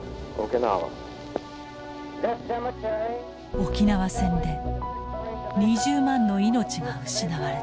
沖縄戦で２０万の命が失われた。